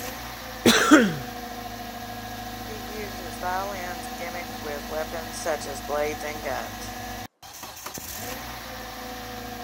He uses violins gimmicked with weapons such as blades and guns.